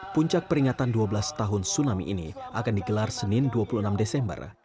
puncak peringatan dua belas tahun tsunami ini akan digelar senin dua puluh enam desember